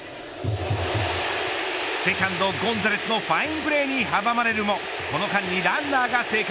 セカンド、ゴンザレスのファインプレーに阻まれるもこの間にランナーが生還。